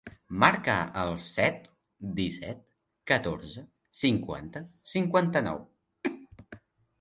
Marca el set, disset, catorze, cinquanta, cinquanta-nou.